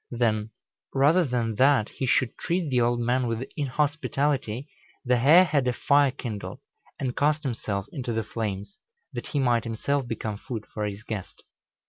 Then, rather than that he should treat the old man with inhospitality, the hare had a fire kindled, and cast himself into the flames, that he might himself become food for his guest.